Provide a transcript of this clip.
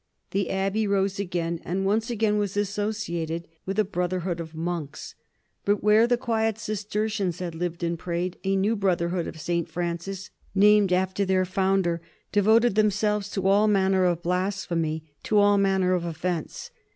The abbey rose again, and once again was associated with a brotherhood of monks. But where the quiet Cistercians had lived and prayed a new brotherhood of St. Francis, named after their founder, devoted themselves to all manner of blasphemy, to all manner of offence.